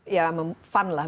ya fun lah